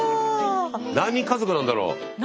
何人家族なんだろう？